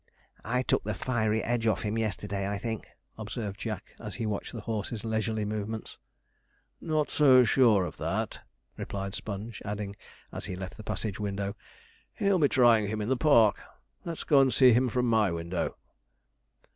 'I took the fiery edge off him yesterday, I think,' observed Jack, as he watched the horse's leisurely movements. 'Not so sure of that,' replied Sponge, adding, as he left the passage window, 'He'll be trying him in the park; let's go and see him from my window.'